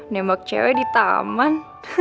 nembak cewek di taman